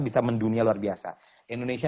bisa mendunia luar biasa indonesia